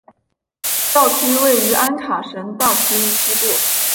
教区位于安卡什大区西部。